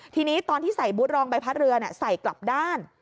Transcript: ทีนี้ตอนที่ใส่บูธรองใบพัดเรือใส่กลับด้าน